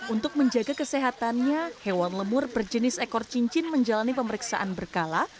untuk menjaga kesehatannya hewan lemur berjenis ekor cincin menjalani pemeriksaan berkala